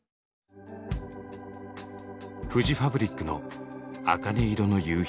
フジファブリックの「茜色の夕日」。